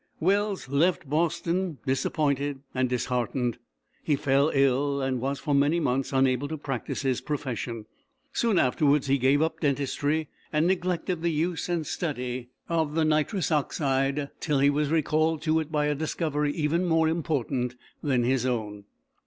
Wells left Boston disappointed and disheartened; he fell ill, and was for many months unable to practice his profession. Soon afterwards he gave up dentistry, and neglected the use and study of the nitrous oxide, till he was recalled to it by a discovery even more important than his own.